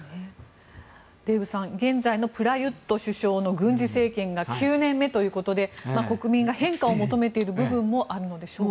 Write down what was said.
デーブさん現在のプラユット首相の軍事政権が９年目ということで国民が変化を求めている部分もあるのでしょうか。